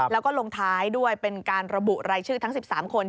แล้วก็ลงท้ายด้วยเป็นการระบุรายชื่อทั้ง๑๓คน